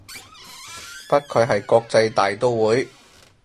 不愧係國際大刀會